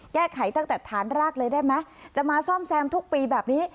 แก้ไขตั้งแต่ฐานรากเลยได้ไหมจะมาซ่อมแซมทุกปีแบบนี้